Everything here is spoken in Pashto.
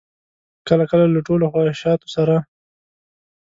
کله کله له ټولو خواهشاتو سره.